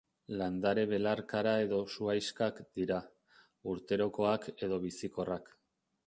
Landare belarkara edo zuhaixkak dira, urterokoak edo bizikorrak.